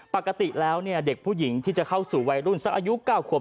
ปกติแล้วเด็กผู้หญิงที่จะเข้าสู่วัยรุ่นสักอายุ๙ขวบ